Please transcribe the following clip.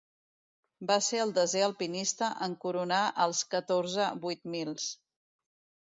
Va ser el desè alpinista en coronar els catorze vuit mils.